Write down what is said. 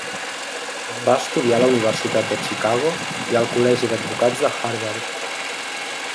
Va estudiar a la Universitat de Chicago i al Col·legi d'Advocats de Harvard.